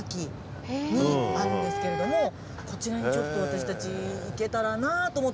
こちらにちょっと私たち行けたらなと思って。